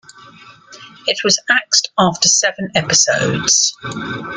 It was axed after seven episodes.